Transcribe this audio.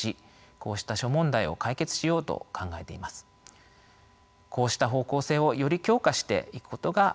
こうした方向性をより強化していくことが重要です。